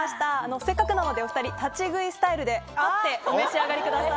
せっかくなのでお２人立ち食いスタイルで立ってお召し上がりください。